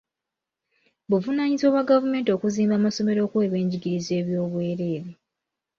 Buvunaanyizibwa bwa gavumenti okuzimba amasomero okuwa ebyenjigiriza eby'obwereere.